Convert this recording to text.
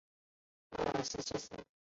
奥尔谢斯。